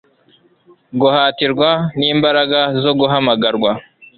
guhatirwa n'imbaraga zo guhamagarwa